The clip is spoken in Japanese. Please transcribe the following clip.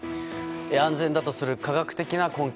安全だとする科学的な根拠。